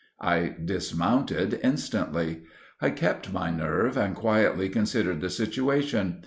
I dismounted instantly. I kept my nerve and quietly considered the situation.